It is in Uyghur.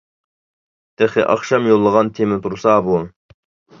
تېخى ئاخشام يوللىغان تېما تۇرسا بۇ.